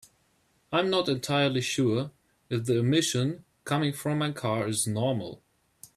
I'm not entirely sure if the emission coming from my car is normal.